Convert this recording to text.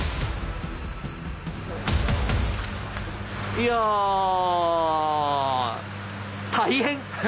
いや大変！